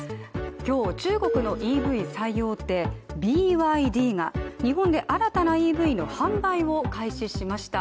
今日、中国のＥＶ最大手ＢＹＤが日本で新たなＥＶの販売を開始しました。